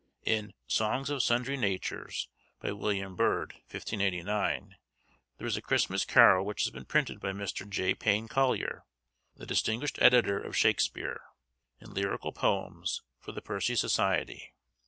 In 'Songs of Sundry natures,' by William Byrd, 1589, there is a Christmas carol which has been printed by Mr. J. Payne Collier, the distinguished editor of Shakespeare, in Lyrical Poems, for the Percy Society.